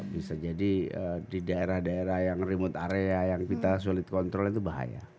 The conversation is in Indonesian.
bisa jadi di daerah daerah yang remote area yang kita sulit kontrol itu bahaya